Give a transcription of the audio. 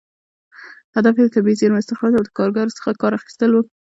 هدف یې د طبیعي زېرمو استخراج او له کارګرو څخه کار اخیستل و.